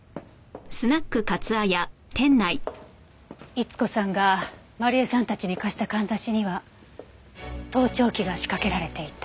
伊津子さんがまり枝さんたちに貸した簪には盗聴器が仕掛けられていた。